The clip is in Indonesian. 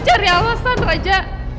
tari alasan raja